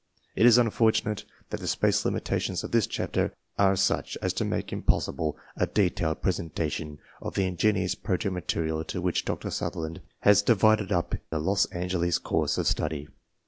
It is unfortunate that the space limitations of this chapter are such as to make impossible a detailed presentation of the ingenious project material into which Dr. Sutherland has divided up the Los Angeles course of study.